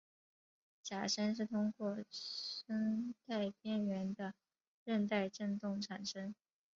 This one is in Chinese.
假声是通过声带边缘的韧带振动产生。